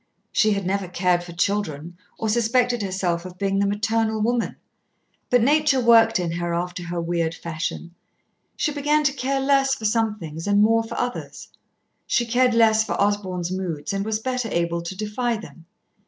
She had never cared for children or suspected herself of being the maternal woman. But Nature worked in her after her weird fashion. She began to care less for some things and more for others. She cared less for Osborn's moods and was better able to defy them.